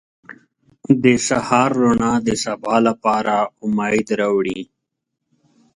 • د سهار رڼا د سبا لپاره امید راوړي.